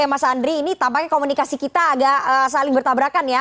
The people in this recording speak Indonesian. mas andri ini tampaknya komunikasi kita agak saling bertabrakan ya